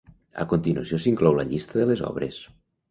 A continuació s'inclou la llista de les obres.